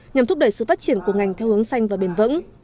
nhằm thúc đẩy sự phát triển của ngành theo hướng xanh và bền vững